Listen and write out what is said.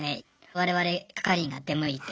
我々係員が出向いて。